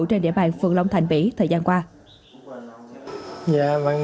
trên địa bàn phượng long thành mỹ thời gian qua